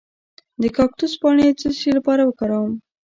د کاکتوس پاڼې د څه لپاره وکاروم؟